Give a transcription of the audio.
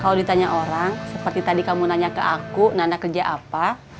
kalau ditanya orang seperti tadi kamu nanya ke aku nana kerja apa